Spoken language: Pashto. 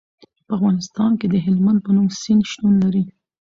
په افغانستان کې د هلمند په نوم سیند شتون لري.